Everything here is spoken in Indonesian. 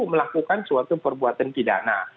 melakukan suatu perbuatan pidana